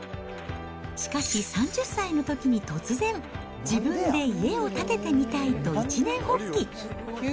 しかし３０歳のときに突然、自分で家を建ててみたいと一念発起。